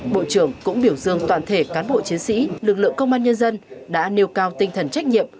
bộ trưởng cũng biểu dương toàn thể cán bộ chiến sĩ lực lượng công an nhân dân đã nêu cao tinh thần trách nhiệm